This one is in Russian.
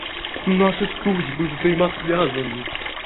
Наши судьбы взаимосвязаны.